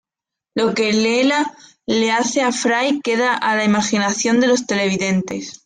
Lo que Leela le hace a Fry queda a la imaginación de los televidentes.